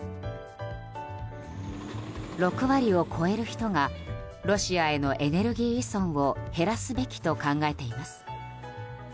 ６割を超える人がロシアへのエネルギー依存を減らすべきと考えています。